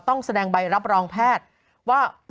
โหยวายโหยวายโหยวายโหยวาย